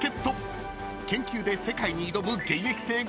［研究で世界に挑む現役生が初参戦です］